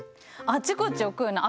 あっちこっち置くよね。